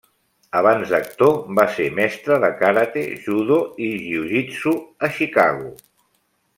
Abans d'actor, va ser mestre de karate, judo i jujitsu a Chicago.